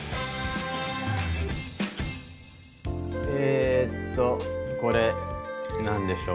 えとこれ何でしょう？